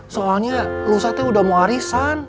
soalnya lusa teh udah mau arisan